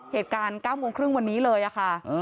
เหตุการณ์๙โมงครึ่งวันนี้เลยค่ะ